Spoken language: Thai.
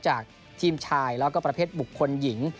จากทีมชายแล้วก็ประเภทบุคคลหญิง